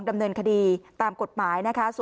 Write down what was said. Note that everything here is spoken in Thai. ดำเนินคดีตามกฎหมายนะคะ